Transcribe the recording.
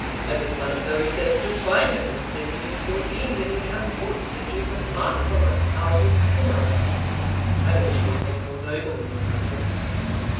I was one of those that stood by him in 1714, when he unhorsed the Duke of Marlborough out of his command. I wish we had more noblemen like him.